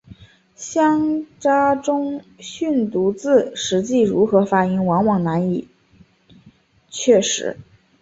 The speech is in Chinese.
乡札中的训读字实际如何发音往往难以确知。